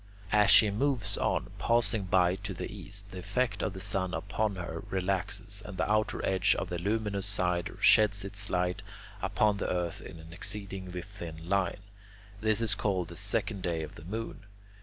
As she moves on, passing by to the east, the effect of the sun upon her relaxes, and the outer edge of the luminous side sheds its light upon the earth in an exceedingly thin line. This is called the second day of the moon.